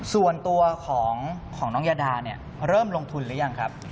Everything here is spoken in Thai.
ส่วนตัวของน้องยาดาเนี่ยเริ่มลงทุนหรือยังครับ